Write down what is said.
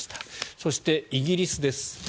そして、イギリスです。